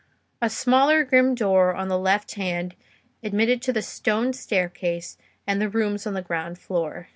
A smaller grim door on the left hand admitted to the stone staircase, and the rooms on the ground floor.